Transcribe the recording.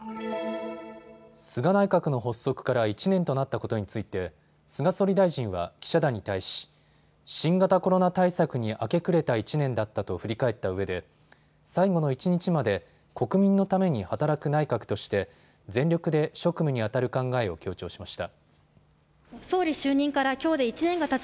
菅内閣の発足から１年となったことについて、菅総理大臣は記者団に対し、新型コロナ対策に明け暮れた１年だったと振り返ったうえで最後の一日まで国民のために働く内閣として全力で職務にあたる考えを強調しました。